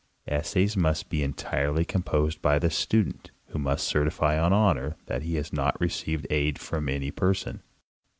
Essays must be entirely composed by the student, who must certify on honor that he has not received aid from any person.